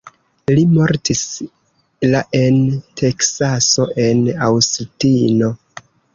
Li mortis la en Teksaso en Aŭstino.